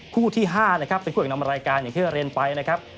คู่ที่๕นะครับเป็นคู่เอกนำรายการอย่างที่เราเรียนไปนะครับ